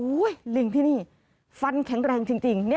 ลิงที่นี่ฟันแข็งแรงจริง